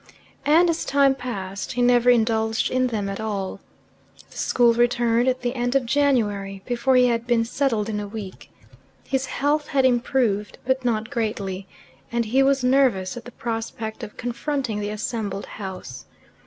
And, as time passed, he never indulged in them at all. The school returned at the end of January, before he had been settled in a week. His health had improved, but not greatly, and he was nervous at the prospect of confronting the assembled house.